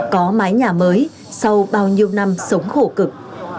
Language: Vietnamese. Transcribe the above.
có mái nhà mới sau bao nhiêu năm sống khổ cực